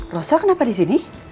rosa kenapa di sini